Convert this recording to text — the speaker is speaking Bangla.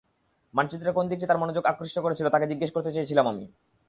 মানচিত্রের কোন দিকটি তার মনোযোগ আকৃষ্ট করেছিল, তাকে জিগ্যেস করতে চেয়েছিলাম আমি।